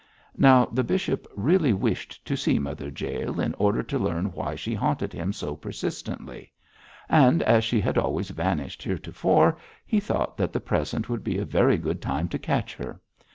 Now, the bishop really wished to see Mother Jael in order to learn why she haunted him so persistently; and as she had always vanished heretofore, he thought that the present would be a very good time to catch her.